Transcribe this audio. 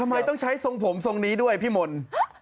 ทำไมต้องใช้ทรงผมทรงนี้ด้วยพี่มนต์